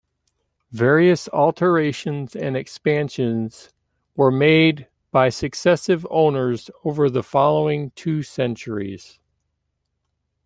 Various alterations and expansions were made by successive owners over the following two centuries.